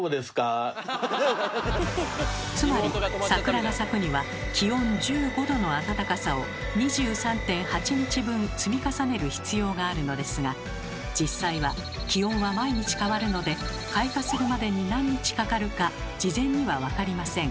つまり桜が咲くには気温１５℃の暖かさを２３．８日分積み重ねる必要があるのですが実際は気温は毎日変わるので開花するまでに何日かかるか事前にはわかりません。